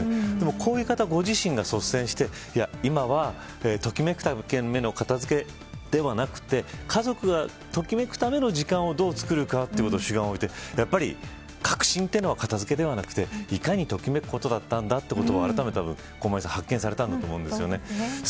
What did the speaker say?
でも、こういう方ご自身が率先してときめくための片付けではなくて家族がときめくための時間をどうつくるかということに主眼を置いてやっぱり革新というのは片付けではなくていかに、ときめくことだったんだというのを発見されたんだと思います。